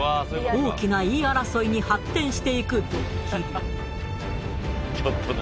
大きな言い争いに発展していくドッキリ。